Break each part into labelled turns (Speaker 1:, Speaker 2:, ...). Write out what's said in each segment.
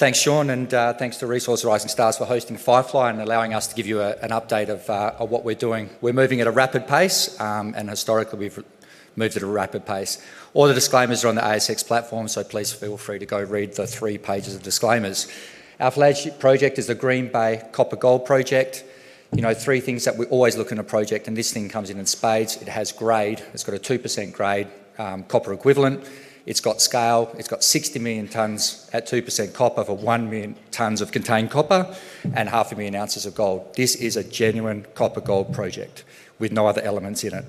Speaker 1: Thanks, Sean, and thanks to Resource Horizon Stars for hosting FireFly and allowing us to give you an update of what we're doing. We're moving at a rapid pace, and historically, we've moved at a rapid pace. All the disclaimers are on the ASX platform, so please feel free to go read the three pages of disclaimers. Our flagship project is the Green Bay Copper-Gold Project. You know, three things that we always look in a project, and this thing comes in in spades. It has grade. It's got a 2% grade copper equivalent. It's got scale. It's got 60 million tons at 2% copper for 1 million tons of contained copper and half a million ounces of gold. This is a genuine copper-gold project with no other elements in it.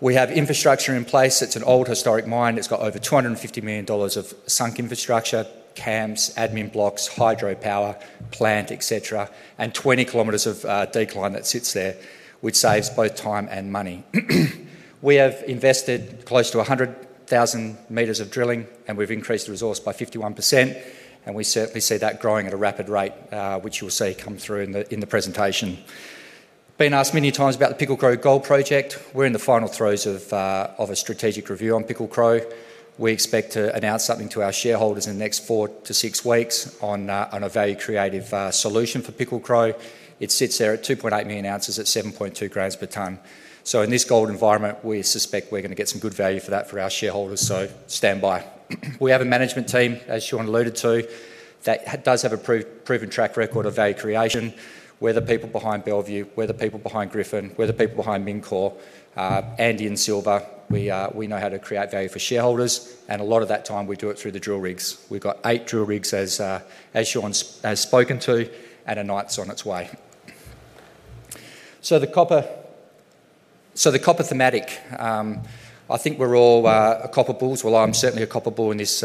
Speaker 1: We have infrastructure in place. It's an old historic mine. It's got over $250 million of sunk infrastructure, camps, admin blocks, hydropower, plant, etc., and 20 kilometers of decline that sits there, which saves both time and money. We have invested close to 100,000 meters of drilling, and we've increased the resource by 51%. We certainly see that growing at a rapid rate, which you'll see come through in the presentation. Been asked many times about the Pickle Crow Gold Project. We're in the final throes of a strategic review on Pickle Crow. We expect to announce something to our shareholders in the next four to six weeks on a value-creative solution for Pickle Crow. It sits there at 2.8 million ounces at 7.2 grams per ton. In this gold environment, we suspect we're going to get some good value for that for our shareholders. Stand by. We have a management team, as Sean alluded to, that does have a proven track record of value creation, where the people behind Bellevue, where the people behind Griffin, where the people behind Mingcor, and in Silver, we know how to create value for shareholders. A lot of that time we do it through the drill rigs. We've got eight drill rigs, as Sean has spoken to, and a ninth is on its way. The copper thematic, I think we're all copper bulls. I'm certainly a copper bull in this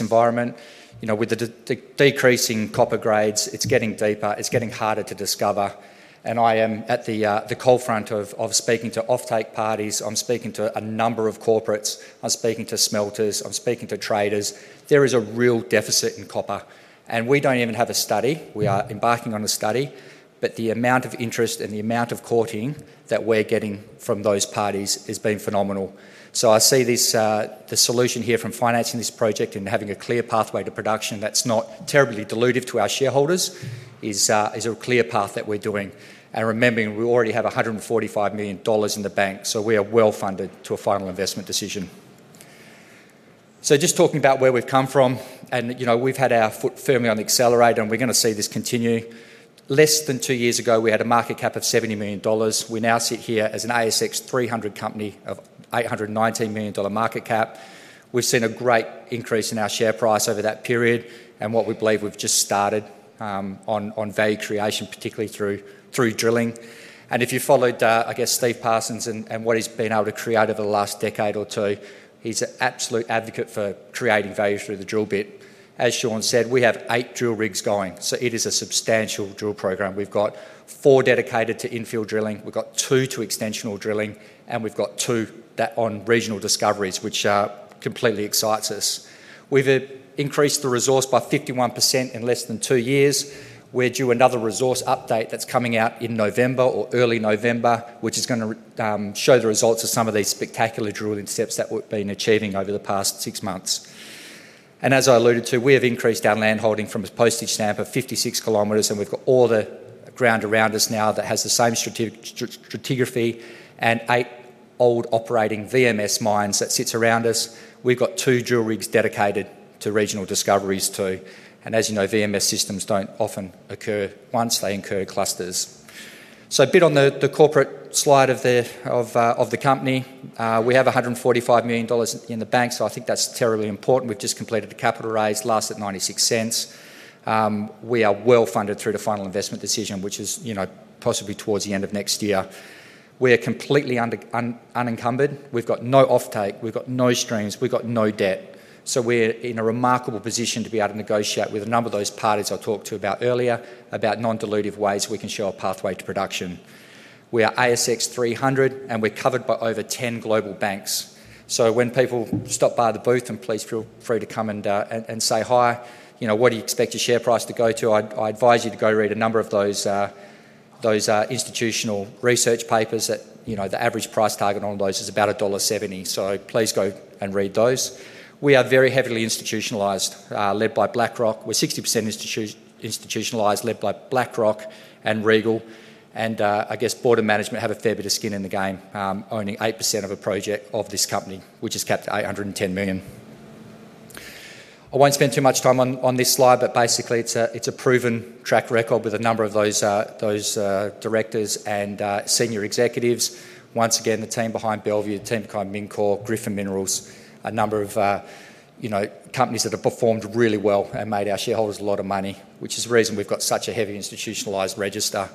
Speaker 1: environment. With the decreasing copper grades, it's getting deeper. It's getting harder to discover. I am at the cold front of speaking to off-take parties. I'm speaking to a number of corporates. I'm speaking to smelters. I'm speaking to traders. There is a real deficit in copper. We don't even have a study. We are embarking on a study. The amount of interest and the amount of courting that we're getting from those parties has been phenomenal. I see the solution here for financing this project and having a clear pathway to production that's not terribly dilutive to our shareholders is a clear path that we're doing. Remembering, we already have $145 million in the bank. We are well funded to a final investment decision. Just talking about where we've come from, we've had our foot firmly on the accelerator, and we're going to see this continue. Less than two years ago, we had a market cap of $70 million. We now sit here as an ASX 300 company of $819 million market cap. We've seen a great increase in our share price over that period. We believe we've just started on value creation, particularly through drilling. If you followed, I guess, Steve Parsons and what he's been able to create over the last decade or two, he's an absolute advocate for creating value through the drill bit. As Sean said, we have eight drill rigs going. It is a substantial drill program. We've got four dedicated to infield drilling, two to extensional drilling, and two that are on regional discoveries, which completely excites us. We've increased the resource by 51% in less than two years. We're due another resource update that's coming out in November or early November, which is going to show the results of some of these spectacular drilling steps that we've been achieving over the past six months. As I alluded to, we have increased our land holding from a postage stamp of 56 kilometers, and we've got all the ground around us now that has the same stratigraphy and eight old operating VMS mines that sit around us. We've got two drill rigs dedicated to regional discoveries too. As you know, VMS systems don't often occur once, they occur in clusters. A bit on the corporate slide of the company, we have $145 million in the bank. I think that's terribly important. We've just completed the capital raise, last at $0.96. We are well funded through the final investment decision, which is possibly towards the end of next year. We are completely unencumbered. We've got no off-take. We've got no strings. We've got no debt. We're in a remarkable position to be able to negotiate with a number of those parties I talked about earlier, about non-dilutive ways we can show a pathway to production. We are ASX 300, and we're covered by over 10 global banks. When people stop by the booth, and please feel free to come and say hi, you know, what do you expect your share price to go to? I advise you to go read a number of those institutional research papers that, you know, the average price target on those is about $1.70. Please go and read those. We are very heavily institutionalized, led by BlackRock. We're 60% institutionalized, led by BlackRock and Regal. I guess board of management have a fair bit of skin in the game, owning 8% of a project of this company, which is capped at $810 million. I won't spend too much time on this slide, but basically, it's a proven track record with a number of those directors and senior executives. Once again, the team behind Bellevue, the team behind Mingcor, Griffin Minerals, a number of, you know, companies that have performed really well and made our shareholders a lot of money, which is the reason we've got such a heavy institutionalized register.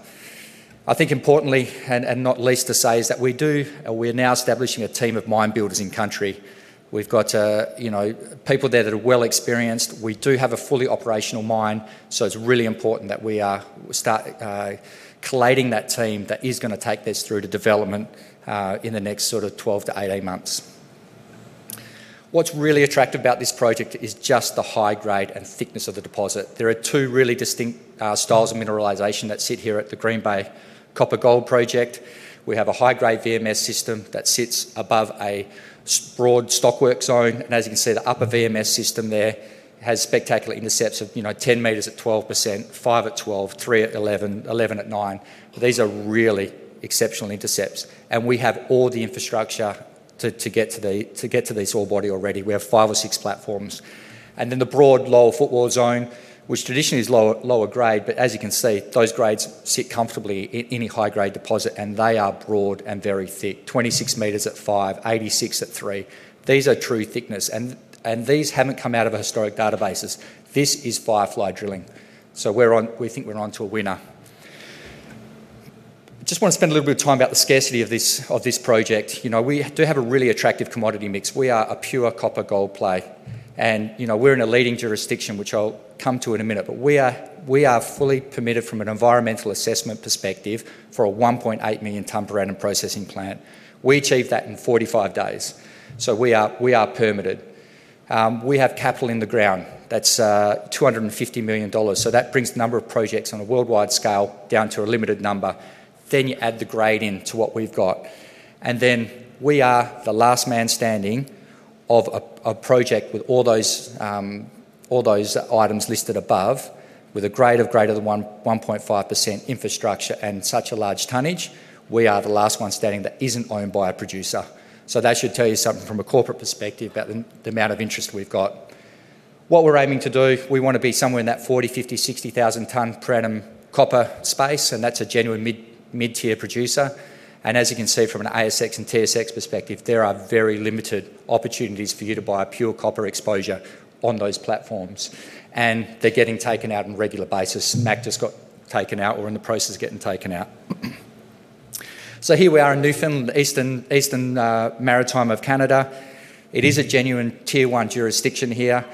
Speaker 1: I think importantly, and not least to say, is that we do, we are now establishing a team of mine builders in country. We've got, you know, people there that are well experienced. We do have a fully operational mine. It's really important that we start collating that team that is going to take this through to development in the next sort of 12 to 18 months. What's really attractive about this project is just the high grade and thickness of the deposit. There are two really distinct styles of mineralization that sit here at the Green Bay Copper-Gold Project. We have a high-grade VMS system that sits above a broad stockwork zone. As you can see, the upper VMS system there has spectacular intercepts of, you know, 10 meters at 12%, 5 at 12%, 3 at 11%, 11 at 9%. These are really exceptional intercepts. We have all the infrastructure to get to this ore body already. We have five or six platforms. The broad low footwall zone, which traditionally is lower grade, but as you can see, those grades sit comfortably in any high-grade deposit, and they are broad and very thick. 26 meters at 5%, 86 at 3%. These are true thickness. These haven't come out of historic databases. This is FireFly drilling. We think we're onto a winner. I just want to spend a little bit of time about the scarcity of this project. We do have a really attractive commodity mix. We are a pure copper gold play. We're in a leading jurisdiction, which I'll come to in a minute. We are fully permitted from an environmental assessment perspective for a 1.8 million-ton per annum processing plant. We achieved that in 45 days. We are permitted. We have capital in the ground. That's $250 million. That brings the number of projects on a worldwide scale down to a limited number. You add the grade into what we've got. We are the last man standing of a project with all those items listed above, with a grade of greater than 1.5%, infrastructure, and such a large tonnage. We are the last one standing that isn't owned by a producer. That should tell you something from a corporate perspective about the amount of interest we've got. What we're aiming to do, we want to be somewhere in that 40, 50, 60,000-ton per annum copper space. That's a genuine mid-tier producer. As you can see from an ASX and TSX perspective, there are very limited opportunities for you to buy a pure copper exposure on those platforms. They're getting taken out on a regular basis. NACT has got taken out or is in the process of getting taken out. Here we are in Newfoundland, the eastern maritime of Canada. It is a genuine tier-one jurisdiction here.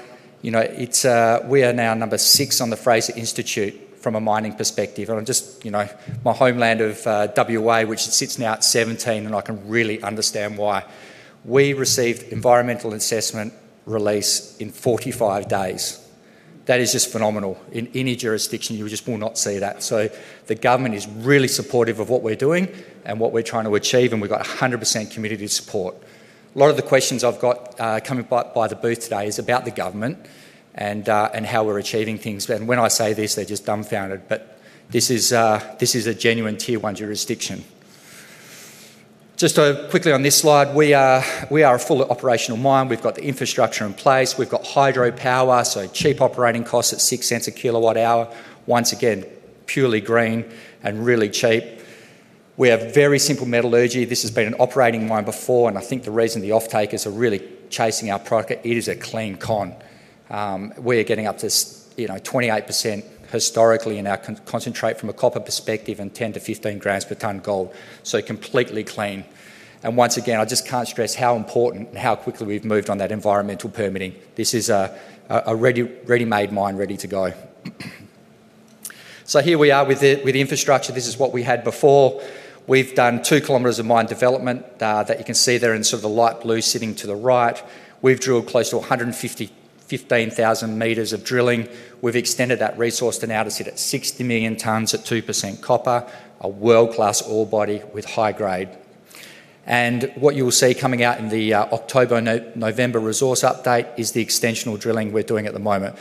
Speaker 1: We are now number six on the Fraser Institute from a mining perspective. My homeland of WA, which sits now at 17, and I can really understand why. We received environmental assessment release in 45 days. That is just phenomenal. In any jurisdiction, you just will not see that. The government is really supportive of what we're doing and what we're trying to achieve. We've got 100% community support. A lot of the questions I've got coming by the booth today are about the government and how we're achieving things. When I say this, they're just dumbfounded. This is a genuine tier-one jurisdiction. Just quickly on this slide, we are a fully operational mine. We've got the infrastructure in place. We've got hydropower, so cheap operating costs at $0.06 a kilowatt hour. Once again, purely green and really cheap. We have very simple metallurgy. This has been an operating mine before. I think the reason the off-takers are really chasing our product, it is a clean con. We are getting up to 28% historically in our concentrate from a copper perspective and 10 to 15 grams per ton gold. Completely clean. I just can't stress how important and how quickly we've moved on that environmental permitting. This is a ready-made mine ready to go. Here we are with the infrastructure. This is what we had before. We've done two kilometers of mine development that you can see there in sort of the light blue sitting to the right. We've drilled close to 115,000 meters of drilling. We've extended that resource to now sit at 60 million tons at 2% copper, a world-class ore body with high grade. What you'll see coming out in the October-November resource update is the extensional drilling we're doing at the moment.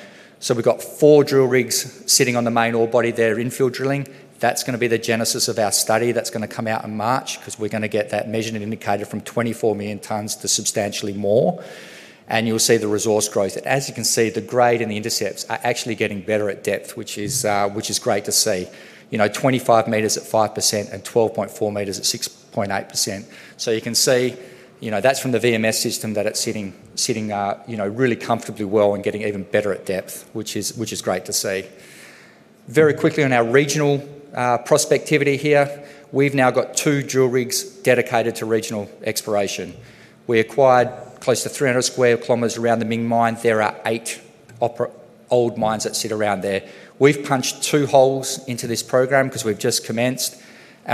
Speaker 1: We've got four drill rigs sitting on the main ore body there, infield drilling. That's going to be the genesis of our study that's going to come out in March because we're going to get that measured and indicated from 24 million tons to substantially more. You'll see the resource growth. As you can see, the grade and the intercepts are actually getting better at depth, which is great to see. You know, 25 meters at 5% and 12.4 meters at 6.8%. You can see that's from the VMS system that it's sitting really comfortably well and getting even better at depth, which is great to see. Very quickly on our regional prospectivity here, we've now got two drill rigs dedicated to regional exploration. We acquired close to 300 square kilometers around the Ming Mine. There are eight old mines that sit around there. We've punched two holes into this program because we've just commenced.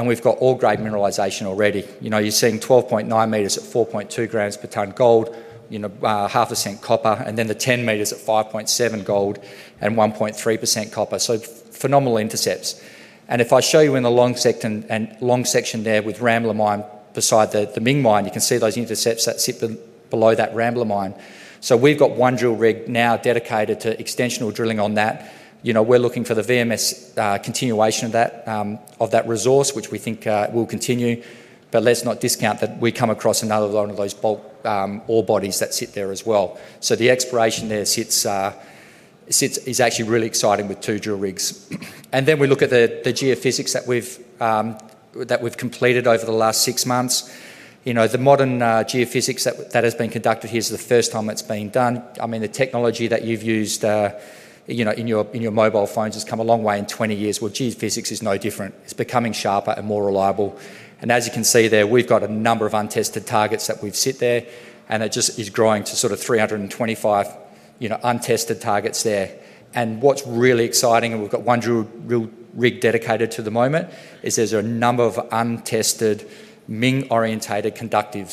Speaker 1: We've got ore-grade mineralization already. You're seeing 12.9 meters at 4.2 grams per ton gold, $0.005 copper, and then the 10 meters at 5.7 gold and 1.3% copper. Phenomenal intercepts. If I show you in the long section there with Rambler Mine beside the Ming Mine, you can see those intercepts that sit below that Rambler Mine. We've got one drill rig now dedicated to extensional drilling on that. We're looking for the VMS continuation of that resource, which we think will continue. Let's not discount that we come across another one of those bulk ore bodies that sit there as well. The exploration there is actually really exciting with two drill rigs. We look at the geophysics that we've completed over the last six months. The modern geophysics that has been conducted here is the first time that's been done. I mean, the technology that you've used, you know, in your mobile phones has come a long way in 20 years, where geophysics is no different. It's becoming sharper and more reliable. As you can see there, we've got a number of untested targets that we've set there. It just is growing to sort of 325, you know, untested targets there. What's really exciting, and we've got one drill rig dedicated to the moment, is there's a number of untested Ming-orientated conductive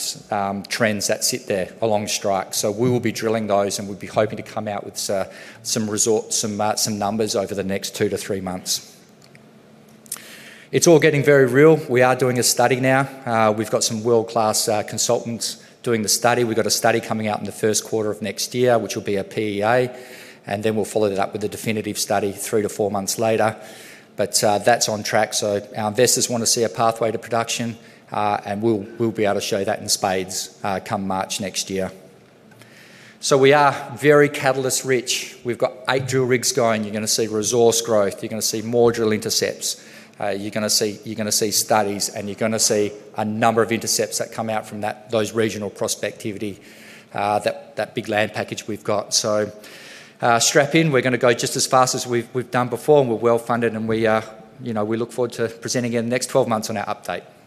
Speaker 1: trends that sit there along strike. We will be drilling those, and we'll be hoping to come out with some results, some numbers over the next two to three months. It's all getting very real. We are doing a study now. We've got some world-class consultants doing the study. We've got a study coming out in the first quarter of next year, which will be a PEA. We'll follow that up with a definitive study three to four months later. That's on track. Our investors want to see a pathway to production. We'll be able to show that in spades come March next year. We are very catalyst-rich. We've got eight drill rigs going. You're going to see resource growth. You're going to see more drill intercepts. You're going to see studies, and you're going to see a number of intercepts that come out from those regional prospectivity, that big land package we've got. Strap in. We're going to go just as fast as we've done before, and we're well funded, and we, you know, we look forward to presenting in the next 12 months on our update. Thanks.